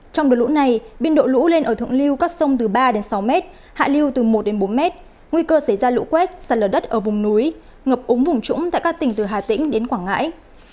trong đợt lũ này biên độ lũ lên ở thượng lưu các sông từ ba đến sáu mét hạ lưu từ một đến bốn mét nguy cơ xảy ra lũ quét sạt lở đất ở vùng núi ngập úng vùng trũng tại các tỉnh từ hà tĩnh đến quảng ngãi